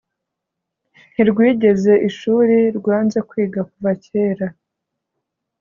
Ntirwigeze ishuri ,rwanze kwiga kuva kera